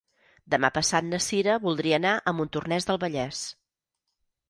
Demà passat na Sira voldria anar a Montornès del Vallès.